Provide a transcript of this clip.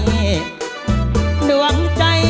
หลวงใจ